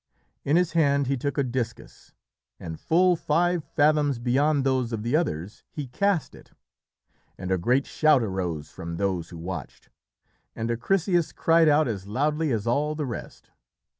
In his hand he took a discus, and full five fathoms beyond those of the others he cast it, and a great shout arose from those who watched, and Acrisius cried out as loudly as all the rest.